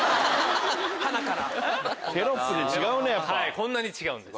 こんなに違うんです。